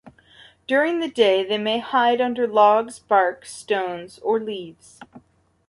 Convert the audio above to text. During the day, they may hide under logs, bark, stones, or leaves.